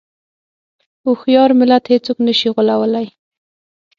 هوښیار ملت هېڅوک نه شي غولوی.